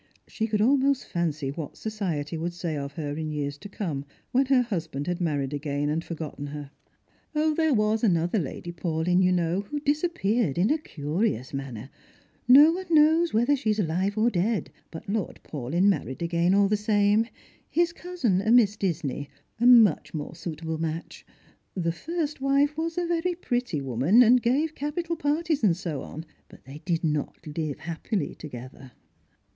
She could almost fancy what society would say of her in years to come, when her husband had married again and for gotten her. " 0, there was another Lady Paulyn, you know, who disap peared in a curious manner. No one knows whether she is alivo or dead : but Lord Paulyn married again, all the same — his cuusin, a IMiss Disney, a mu^h more suitable match. The first 308 '(Strangers and Pilgrims. wife was a very pretty woman, gave capital parties, and so oik\ bat they did not live happily together."